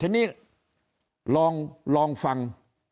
ทีนี้ลองลองฟัง